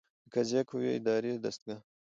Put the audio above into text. د قضائیه قوې اداري دستګاه